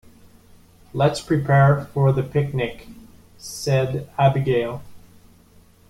"Let's prepare for the picnic!", said Abigail.